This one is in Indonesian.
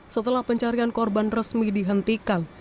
setelah pencarian korban resmi dihentikan